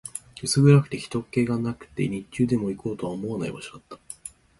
薄暗くて、人気がなくて、日中でも行こうとは思わない場所だった